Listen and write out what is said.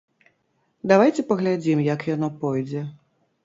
Давайце паглядзім, як яно пойдзе.